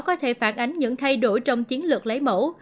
có thể phản ánh những thay đổi trong chiến lược lấy mẫu